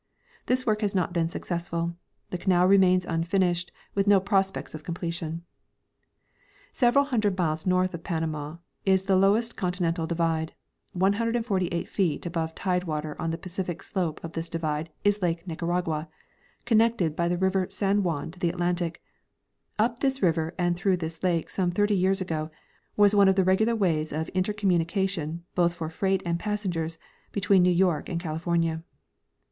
This Avork has not been successful ; the canal remains unfinished, with no prospects of completion . Several hundred miles north of Panama is the lowest conti nental divide ; 148 feet above tide water on the Pacific slope of this divide is lake Nicaragua, connected ^by the river San Juan with the Atlantic ; ujd this river and through this lake, some thirty years ago, was one of the regular ways of intercommuni cation, both for freight and passengers, between New York and California.